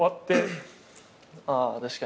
あ確かに。